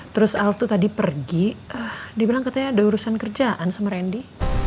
terus alptu tadi pergi dibilang katanya ada urusan kerjaan sama randy